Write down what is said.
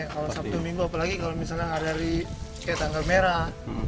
kalau sabtu minggu apalagi kalau misalnya hari hari kayak tanggal merah